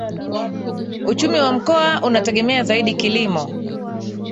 Uchumi wa Mkoa unategemea zaidi kilimo